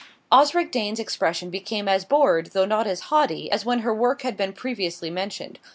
Osric Dane's expression became as bored, though not as haughty, as when her work had been previously mentioned.